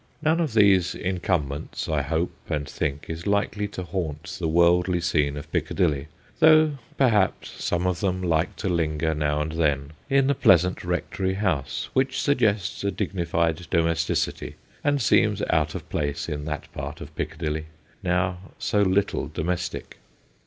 None of these incumbents, I hope and think, is likely to haunt the worldly scene of Piccadilly, though perhaps some of them like to linger, now and then, in the pleasant Rectory House, which suggests a dignified domes ticity and seems out of place in that part of Piccadilly, now so little domestic.